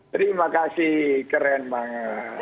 terima kasih keren banget